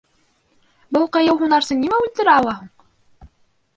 — Был ҡыйыу һунарсы нимә үлтерә ала һуң?